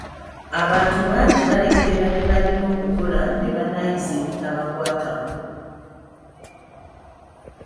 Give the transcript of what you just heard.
Abantu bangi balekerera bye balina okukola ne banaayiza ebitabakwatako.